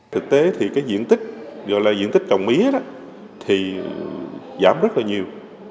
thực tế thì cái diện tích gọi là diện tích cộng mía thì giảm rất là nhiều